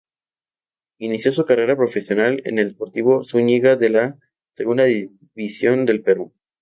Inició su carrera profesional en Deportivo Zúñiga de la Segunda División del Perú.